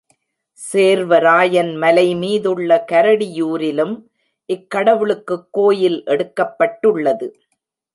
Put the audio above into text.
சேர்வராயன் மலைமீதுள்ள கரடியூரிலும் இக்கடவுளுக்குக் கோயில் எடுக்கப்பட்டுள்ளது.